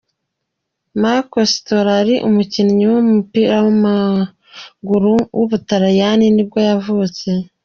Marco Storari, umukinnyi w’umupira w’amaguru w’umutaliyani nibwo yavutse.